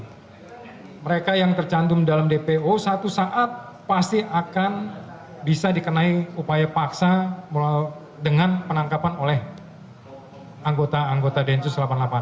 jadi mereka yang tercandum dalam dpo satu saat pasti akan bisa dikenai upaya paksa dengan penangkapan oleh anggota anggota densus delapan puluh delapan